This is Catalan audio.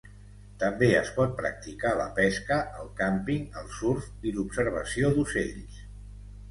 També es pot practicar la pesca, el càmping, el surf i l'observació d'ocells.